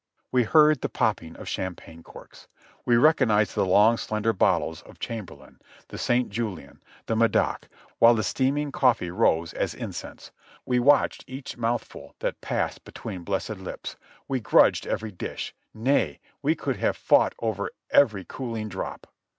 We heard the popping of champagne corks ; we recognized the long, slender bottles of Chambertin, the St. Julien, the Medoc, while the steaming coft'ee rose as incense ; we watched each mouthful that passed between blessed lips ; we grudged every dish — nay, we could have fought over every cooling drop.